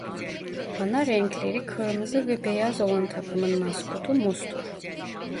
Ana renkleri kırmızı ve beyaz olan takımın maskotu mus'tur.